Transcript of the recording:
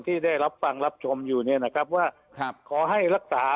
ที่ได้รับฟังรับชมอยู่เนี่ยนะครับว่าขอให้รักษา